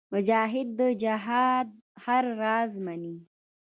مجاهد د جهاد هر راز منې.